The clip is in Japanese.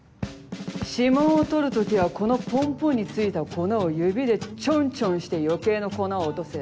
指紋を採る時はこのポンポンについた粉を指でチョンチョンして余計な粉を落とせ。